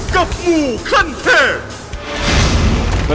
กับหมู่คันแท้